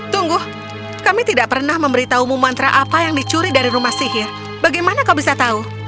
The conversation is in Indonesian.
tunggu kami tidak pernah memberitahumu mantra apa yang dicuri dari rumah sihir bagaimana kau bisa tahu